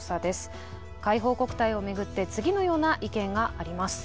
海邦国体を巡って次のような意見があります。